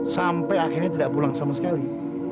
sampai akhirnya tidak pulang sama sekali